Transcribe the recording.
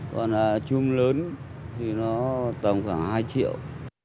còn là chum lớn thì nó tầm khoảng hai triệu